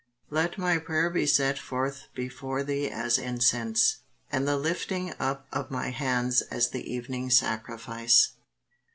"LET MY PRAYER BE SET FORTH BEFORE THEE AS INCENSE: AND THE LIFTING UP OF MY HANDS AS THE EVENING SACRIFICE."